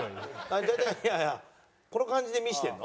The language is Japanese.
この感じで見せてるの？